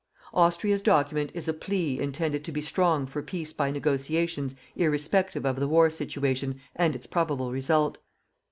Austria's document is a plea intended to be strong for peace by negotiations irrespective of the war situation and its probable result.